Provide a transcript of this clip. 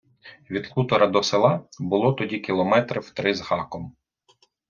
Від хутора до села було тоді кілометрів три з гаком.